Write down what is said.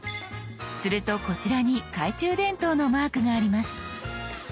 するとこちらに懐中電灯のマークがあります。